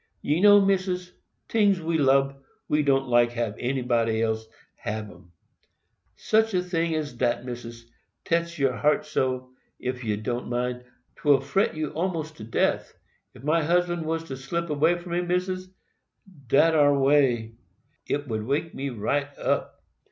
"Ye know, Missis, tings we lub, we don't like hab anybody else hab 'em. Such a ting as dat, Missis, tetch your heart so, ef you don't mind, 't will fret you almost to death. Ef my husband was to slip away from me, Missis, dat ar way, it ud wake me right up.